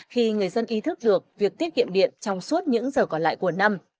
khi người dân ý thức được việc tiết kiệm điện trong suốt những giờ còn lại của năm